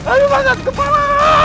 aduh panas kepala